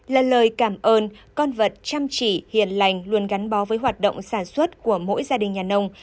là lời cảm ơn con vật chăm chỉ hiền lành luôn gắn bó với hoạt động sản xuất của mỗi gia đình nhà nông